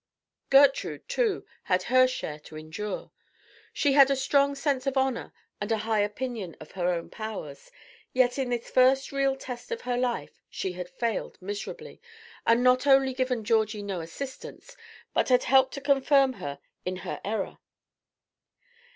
Gertrude, too, had her share to endure. She had a strong sense of honor and a high opinion of her own powers; yet in this the first real test of her life, she had failed miserably, and not only given Georgie no assistance, but had helped to confirm her in her error.